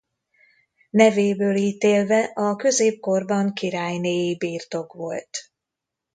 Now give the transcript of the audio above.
Nevéből ítélve a középkorban királynéi birtok volt.